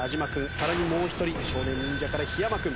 さらにもう１人少年忍者から檜山君。